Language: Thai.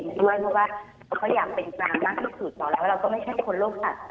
หรือว่าคิดว่าข้าอยากเป็นสาหรับเรามากนี่ซุดต่อแล้วก็ไม่ใช่คนโลกถัด